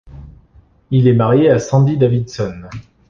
Il est marié à Sandy Davidson.